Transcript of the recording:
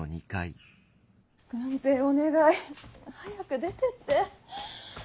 郡平お願い早く出てって。